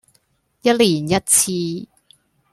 一年一次